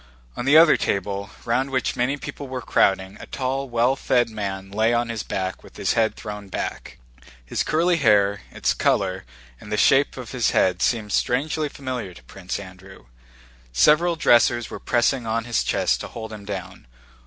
On the other table, round which many people were crowding, a tall well fed man lay on his back with his head thrown back. His curly hair, its color, and the shape of his head seemed strangely familiar to Prince Andrew. Several dressers were pressing on his chest to hold him down.